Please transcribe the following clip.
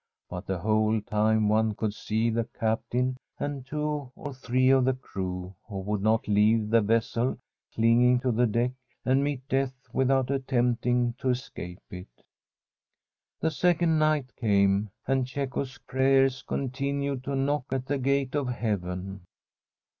But the whole time one could see the captain and two or three of the crew, who would not leave the vessel, cling to the deck and meet death without attempting to escape it The second night came, and Cecco's pra]rers continued to knock at the gate of heaven.